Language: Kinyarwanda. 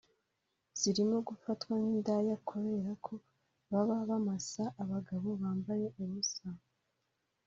zirimo gufatwa nk’indaya kubera ko baba bamasa abagabo bambaye ubusa